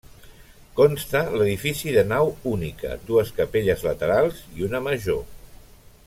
Consta l'edifici de nau única, dues capelles laterals i una major.